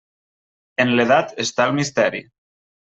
En l'edat està el misteri.